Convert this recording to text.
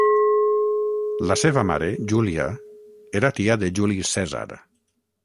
La seva mare, Júlia, era tia de Juli Cèsar.